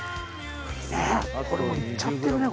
これもいっちゃってるね